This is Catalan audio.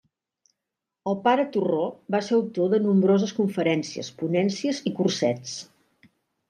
El pare Torró va ser autor de nombroses conferències, ponències i cursets.